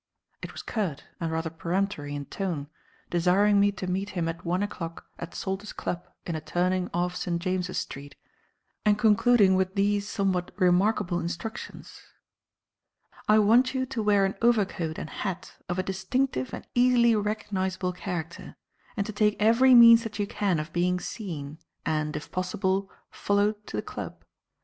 It was curt and rather peremptory in tone, desiring me to meet him at one o'clock at Salter's Club in a turning off St. James's Street and concluding with these somewhat remarkable instructions: "I want you to wear an overcoat and hat of a distinctive and easily recognizable character and to take every means that you can of being seen and, if possible, followed to the club.